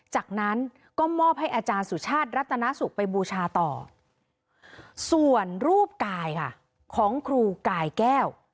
จากนั้นก็มอบให้อาจารย์สุชาติรัตนสุขไปบูชาต่อส่วนรูปกายค่ะของครูกายแก้ว